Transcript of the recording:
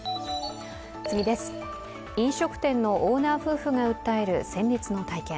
飲食店のオーナー夫婦が訴える戦慄の体験。